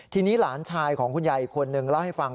ทีนี้หลานชายของคุณยายอีกคนนึงเล่าให้ฟัง